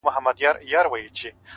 اوس لا د گرانښت څو ټكي پـاتــه دي-